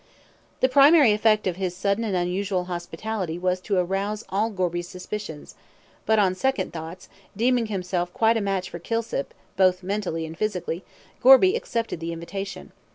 The primary effect of his sudden and unusual hospitality was to arouse all Gorby's suspicions; but on second thoughts, deeming himself quite a match for Kilsip, both mentally and physically, Gorby accepted the invitation.